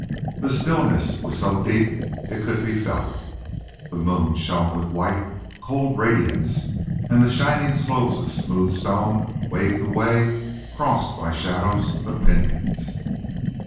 The stillness was so deep it could be felt. The moon shone with white, cold radiance and the shining slopes of smooth stone waved away, crossed by shadows of pinyons.